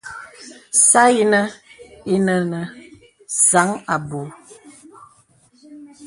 Sa yinə īnə nə sāŋ aboui.